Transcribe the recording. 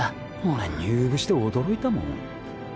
俺入部して驚いたもん。